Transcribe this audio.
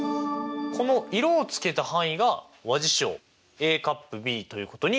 この色をつけた範囲が和事象Ａ∪Ｂということになりますよね。